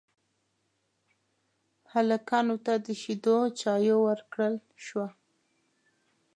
هلکانو ته د شيدو چايو ورکړل شوه.